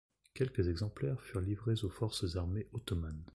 Quelques exemplaires furent livrés aux forces armées ottomanes.